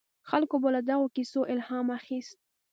خلکو به له دغو کیسو الهام اخیست.